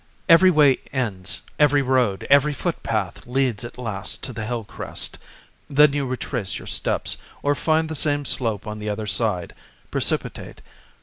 Every way ends, every road, every foot path leads at last to the hill crest then you retrace your steps, or find the same slope on the other side, precipitate.